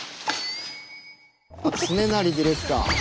恒成ディレクター。